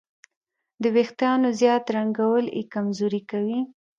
د وېښتیانو زیات رنګول یې کمزوري کوي.